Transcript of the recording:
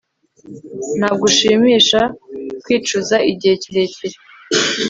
Ntabwo ushimisha kwicuza igihe kirekire